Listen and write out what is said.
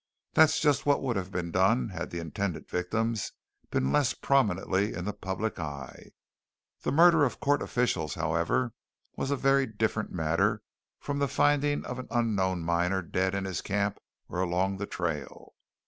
That is just what would have been done had the intended victims been less prominently in the public eye. The murder of court officials, however, was a very different matter from the finding of an unknown miner dead in his camp or along the trail.